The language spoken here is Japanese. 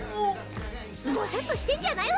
ボサッとしてんじゃないわよ。